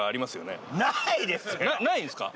ないですか？